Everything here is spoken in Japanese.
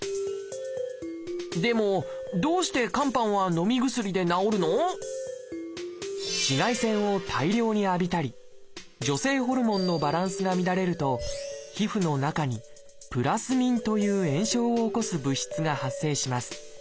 でも紫外線を大量に浴びたり女性ホルモンのバランスが乱れると皮膚の中に「プラスミン」という炎症を起こす物質が発生します。